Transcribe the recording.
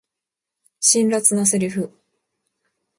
辛辣なセリフ